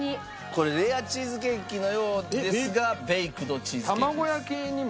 これレアチーズケーキのようですがベイクドチーズケーキです。